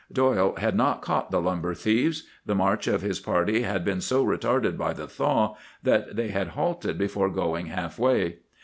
"Doyle had not caught the lumber thieves. The march of his party had been so retarded by the thaw that they had halted before going half way.